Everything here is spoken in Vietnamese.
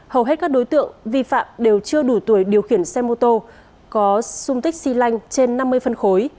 hầu hết các đối tượng vi phạm đều chưa đủ tuổi điều khiển xe mô tô có sung tích xy lanh trên năm mươi phân khối